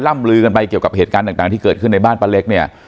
ลือกันไปเกี่ยวกับเหตุการณ์ต่างที่เกิดขึ้นในบ้านป้าเล็กเนี่ย